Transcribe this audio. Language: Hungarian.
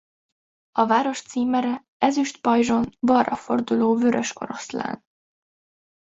A város címere ezüst pajzson balra forduló vörös oroszlán.